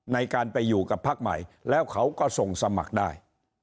ในการไปอยู่กับพักใหม่แล้วเขาก็ส่งสมัครได้